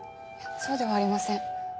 そうではありません。